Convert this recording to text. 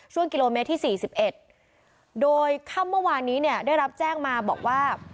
ช่วงกิโลเมตรที่๔๑โดยค่ำเมื่อวานนี้เนี่ยได้รับแจ้งมาบอกว่า